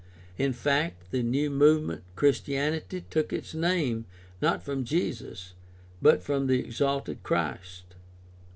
In fact, the new movement "Christianity" took its name, not from Jesus, but from the exalted Christ.